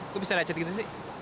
gue bisa lecet gitu sih